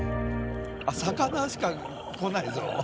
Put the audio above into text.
魚しか来ないぞ。